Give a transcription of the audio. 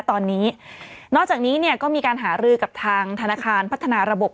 ตอนนี้นอกจากนี้เนี่ยก็มีการหารือกับทางธนาคารพัฒนาระบบ